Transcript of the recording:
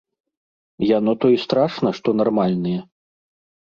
Яно то і страшна, што нармальныя.